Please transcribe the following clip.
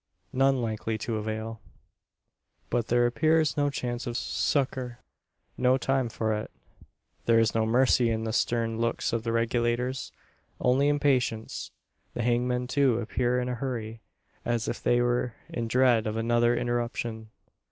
None likely to avail. But there appears no chance of succour no time for it. There is no mercy in the stern looks of the Regulators only impatience. The hangmen, too, appear in a hurry as if they were in dread of another interruption.